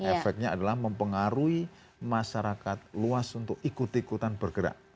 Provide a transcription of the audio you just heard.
efeknya adalah mempengaruhi masyarakat luas untuk ikut ikutan bergerak